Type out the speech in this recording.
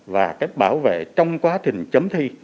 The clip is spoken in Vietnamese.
và cái bảo vệ trong quá trình chấm thi